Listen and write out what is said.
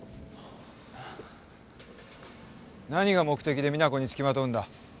何が目的で実那子に付きまとうんだ？